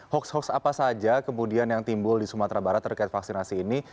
hoax hoax apa saja kemudian yang timbul di sumatera barat terkait vaksinasi ini